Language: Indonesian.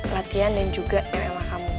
latihan dan juga rma kamu